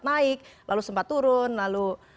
naik lalu sempat turun lalu